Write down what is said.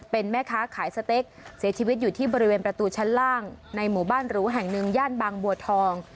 เป็นแม่ค้าขายสเต็กเสียชีวิตอยู่ที่บริเวณประตูชั้นล่างในหมู่บ้านหรูแห่งหนึ่งย่านบางบัวทอง